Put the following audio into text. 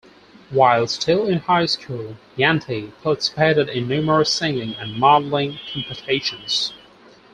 While still in high school, Yanti participated in numerous singing and modelling competitions.